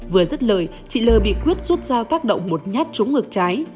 vừa giất lời chị l bị quyết rút rao tác động một nhát trúng ngược trái